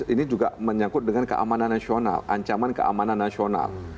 ini juga menyangkut dengan keamanan nasional ancaman keamanan nasional